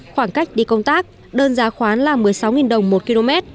khoảng cách đi công tác đơn giá khoán là một mươi sáu đồng một km